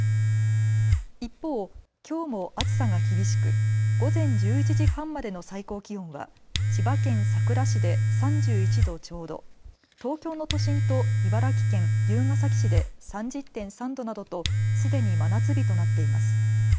一方、きょうも暑さが厳しく午前１１時半までの最高気温は千葉県佐倉市で３１度ちょうど、東京の都心と茨城県龍ケ崎市で３０．３度などとすでに真夏日となっています。